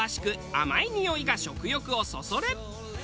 甘いにおいが食欲をそそる。